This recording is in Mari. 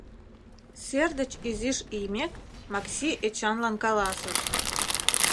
Сер деч изиш иймек, Макси Эчанлан каласыш: